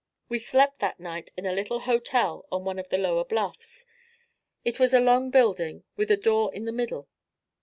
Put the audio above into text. We slept that night in a little hotel on one of the lower bluffs. It was a long building with a door in the middle.